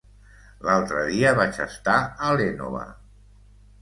L'altre dia vaig estar a l'Énova.